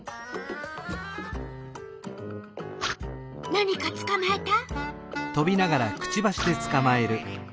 何かつかまえた？